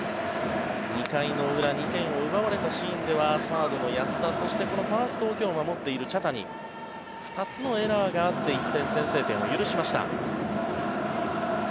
２回の裏２点を奪われたシーンではサードの安田そしてファーストを今日、守っている茶谷２つのエラーがあって１点、先制点を許しました。